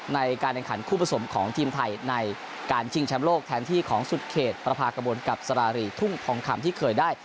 ในการแข่งขันคู่ผสมของทีมไทยในการชิงแชมป์โลกแทนที่ของสุดเขตประพากระบวนกับสารีทุ่งทองคำที่เคยได้